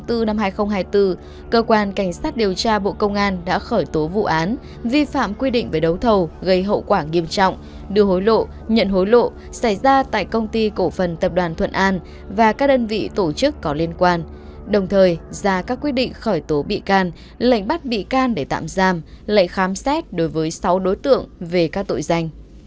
tháng bốn năm hai nghìn hai mươi bốn cơ quan cảnh sát điều tra bộ công an đã khởi tố vụ án vi phạm quy định về đấu thầu gây hậu quả nghiêm trọng đưa hối lộ nhận hối lộ xảy ra tại công ty cổ phần tập đoàn thuận an và các đơn vị tổ chức có liên quan đồng thời ra các quy định khởi tố bị can lệnh bắt bị can để tạm giam lệnh khám xét đối với sáu đối tượng về các tội danh